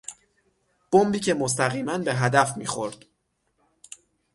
بمبی که مستقیما به هدف میخورد